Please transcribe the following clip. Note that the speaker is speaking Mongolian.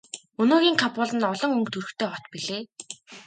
Өнөөгийн Кабул нь олон өнгө төрхтэй хот билээ.